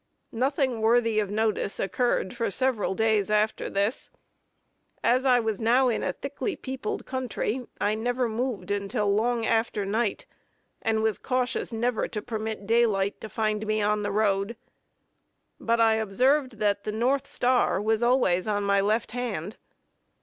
Nothing worthy of notice occurred for several days after this. As I was now in a thickly peopled country, I never moved until long after night, and was cautious never to permit daylight to find me on the road; but I observed that the north star was always on my left hand.